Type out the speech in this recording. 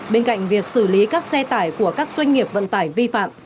bên cạnh việc xử lý các xe tải của các doanh nghiệp vận tải vi phạm